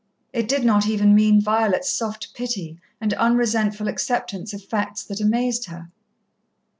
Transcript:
It did not even mean Violet's soft pity and unresentful acceptance of facts that amazed her.